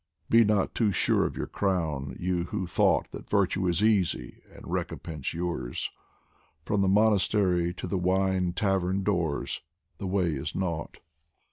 Be not too sure of your crown, you who thought That virtue was easy and recompense yours ; From the monastery to the wine tavern doors The way is nought